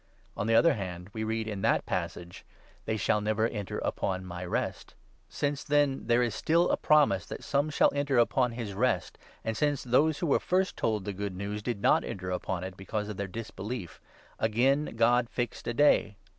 On the other hand, we read in that passage —' They shall never enter upon my Rest.' Since, then, there is still a promise that some shall enter upon this Rest, and since those who were first told the Good News did not enter upon it, because of their disbelief, again God fixed a day.